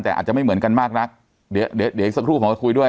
แต่อาจจะไม่เหมือนกันมากนักเดี๋ยวเดี๋ยวอีกสักครู่ผมจะคุยด้วย